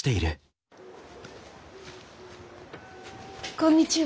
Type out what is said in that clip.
こんにちは。